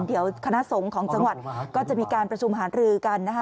เดี๋ยวคณะสงฆ์ของจังหวัดก็จะมีการประชุมหารือกันนะคะ